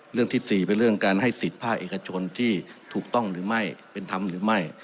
เรื่องที่๔เป็นเรื่องการให้สิทธิภาคเอกชนที่ถูกต้องหรือไม่เป็นธรรมหรือไม่